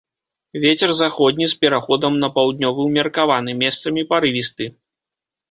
Вецер заходні з пераходам на паўднёвы ўмеркаваны, месцамі парывісты.